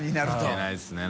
いけないですね